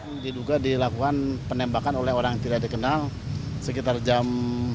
ini diduga dilakukan penembakan oleh orang yang tidak dikenal sekitar jam delapan tiga puluh